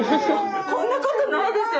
こんなことないですよ